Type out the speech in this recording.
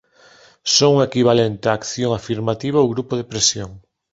Son o equivalente a acción afirmativa ou grupo de presión.